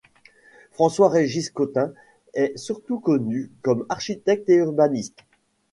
François-Régis Cottin est surtout connu comme architecte et urbaniste.